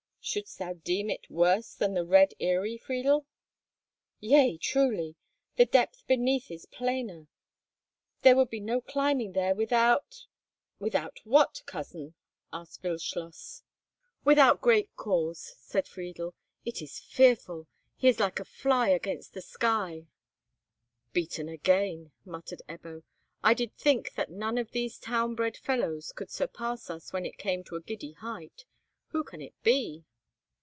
Shouldst thou deem it worse than the Red Eyrie, Friedel?" "Yea, truly! The depth beneath is plainer! There would be no climbing there without—" "Without what, cousin?" asked Wildschloss. "Without great cause," said Friedel. "It is fearful! He is like a fly against the sky." "Beaten again!" muttered Ebbo; "I did think that none of these town bred fellows could surpass us when it came to a giddy height! Who can he be?"